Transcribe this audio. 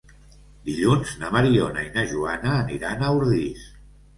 Dilluns na Mariona i na Joana aniran a Ordis.